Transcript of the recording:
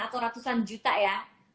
atau ratusan juta ya